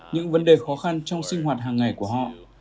những vấn đề khó khăn trong sinh hoạt hàng ngày của họ